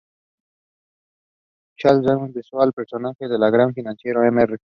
Charles Dickens basó el personaje del gran financiero Mr.